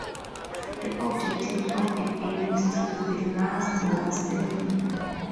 The objective of the game is to be the last one standing.